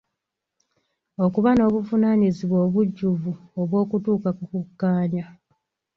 Okuba n'obuvunaanyizibwa obujjuvu obw'okutuuka ku kukkaanya.